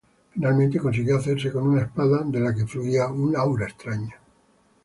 Finalmente consiguió hacerse con una espada de la que fluía un aura extraña.